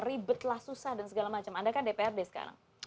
ribetlah susah dan segala macam anda kan dprd sekarang